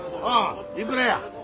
いくらや？